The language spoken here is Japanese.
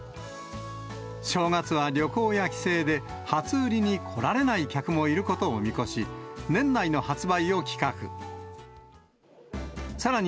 正月は旅行や帰省で、初売りに来られない客がいることを見越し、年内の発売を企画。